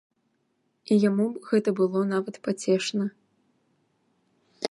І яму гэта было нават пацешна.